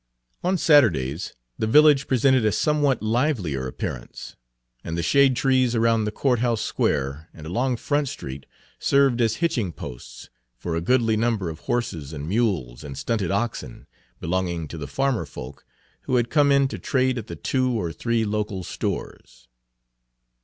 On Saturdays the village presented a somewhat livelier appearance, and the shade trees around the court house square and along Front Street served as hitching posts for a goodly number of horses and mules and stunted oxen, belonging to the farmer folk Page 63 who had come in to trade at the two or three local stores.